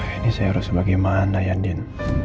ini saya harus bagaimana ya din